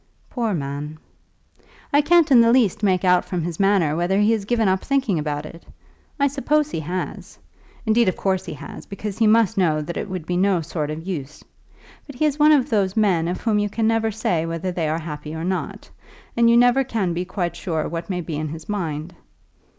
"Poor man!" "I can't in the least make out from his manner whether he has given up thinking about it. I suppose he has. Indeed, of course he has, because he must know that it would be of no sort of use. But he is one of those men of whom you can never say whether they are happy or not; and you never can be quite sure what may be in his mind."